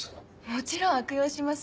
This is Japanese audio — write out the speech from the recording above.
もちろん悪用します